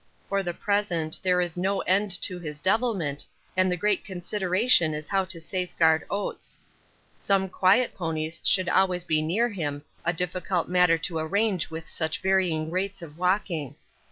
For the present there is no end to his devilment, and the great consideration is how to safeguard Oates. Some quiet ponies should always be near him, a difficult matter to arrange with such varying rates of walking.